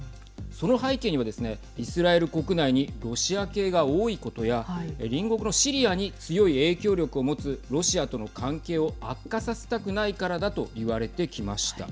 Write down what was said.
その背景にはですねイスラエル国内にロシア系が多いことや隣国のシリアに強い影響力を持つロシアとの関係を悪化させたくないからだといわれてきました。